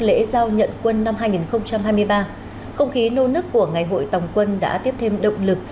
lễ giao nhận quân năm hai nghìn hai mươi ba không khí nô nức của ngày hội tòng quân đã tiếp thêm động lực